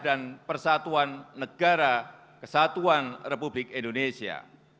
dan persatuan negara kesatuan republik indonesia